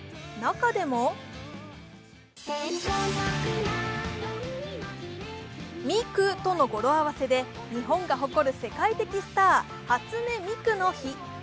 中でも、ミクとの語呂合わせで日本が誇る世界的スター、初音ミクの日。